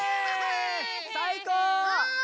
さいこう！